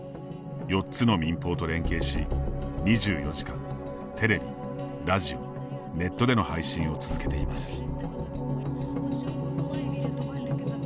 ４つの民放と連携し２４時間、テレビ、ラジオネットでの配信を続けています。